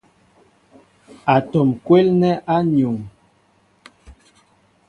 Atɔm kwélnɛ a nuu.